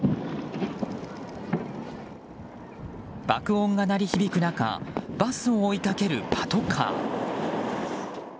爆音が鳴り響く中バスを追いかけるパトカー。